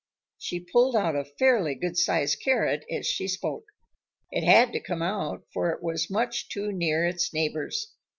She pulled out a fairly good sized carrot as she spoke. It had to come out, for it was much too near its neighbors.